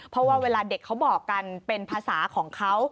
เพราะว่าเวลาเด็กเขาบอกกันเป็นภาษาของเขา